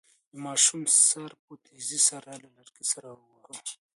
د ماشوم سر په تېزۍ سره له لرګي سره وواهه.